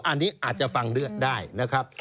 อันนี้อาจจะฟังได้นะครับ